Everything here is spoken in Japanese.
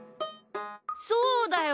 そうだよ！